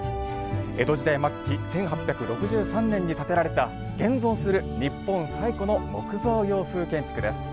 江戸時代末期１８６３年に建てられた現存する日本最古の木造洋風建築です。